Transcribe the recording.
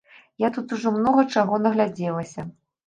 Я тут ужо многа чаго нагледзелася.